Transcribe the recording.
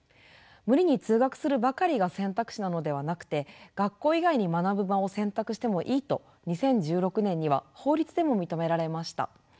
無理に通学するばかりが選択肢なのではなくて学校以外に学ぶ場を選択してもいいと２０１６年には法律でも認められました。